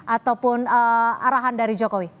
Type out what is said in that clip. ataupun arahan dari jokowi